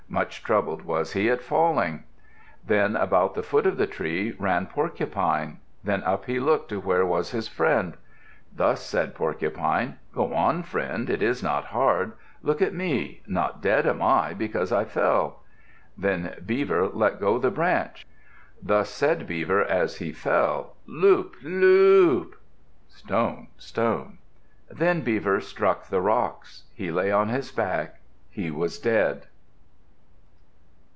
Much troubled was he at falling. Then about the foot of the tree ran Porcupine. Then up he looked to where was his friend. Thus said Porcupine: "Go on, friend. It is not hard. Look at me. Not dead am I because I fell!" Then Beaver let go the branch. Thus said Beaver as he fell, "Loop! Lo op!" "Stone! Stone!" Then Beaver struck the rocks. He lay on his back. He was dead.